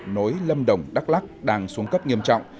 nối lâm đồng đắk lắc đang xuống cấp nghiêm trọng